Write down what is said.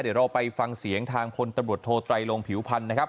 เดี๋ยวเราไปฟังเสียงทางพลตำรวจโทไตรลงผิวพันธ์นะครับ